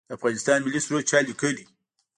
د افغانستان ملي سرود چا لیکلی؟